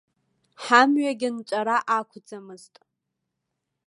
Ҳамҩагьы нҵәара ақәӡамызт.